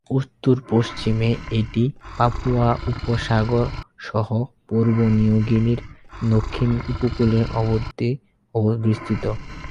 উত্তর-পশ্চিমে, এটি পাপুয়া উপসাগর সহ পূর্ব নিউ গিনির দক্ষিণ উপকূলে অবধি বিস্তৃত।